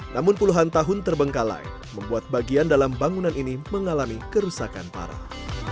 namun puluhan tahun terbengkalai membuat bagian dalam bangunan ini mengalami kerusakan parah